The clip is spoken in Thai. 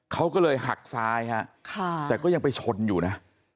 เขาก็เลยหักซ้ายฮะแต่ก็ยังไปชนอยู่นะ